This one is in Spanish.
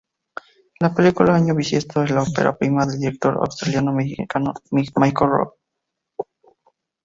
La película "Año bisiesto" es la opera prima del director australiano-mexicano Michael Rowe.